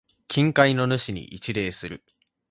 近海の主に一礼する。